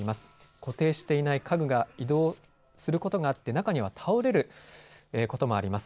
固定していない家具が移動することがあって中には倒れることもあります。